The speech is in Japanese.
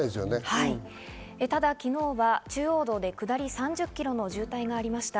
ただ昨日は中央道で下り３０ｋｍの渋滞がありました。